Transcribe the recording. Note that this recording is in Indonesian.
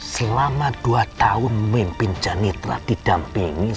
selama dua tahun memimpin janitra di dampingi